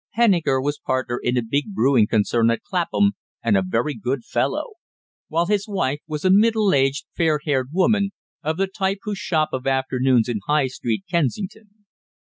Henniker was partner in a big brewing concern at Clapham, and a very good fellow; while his wife was a middle aged, fair haired woman, of the type who shop of afternoons in High Street, Kensington.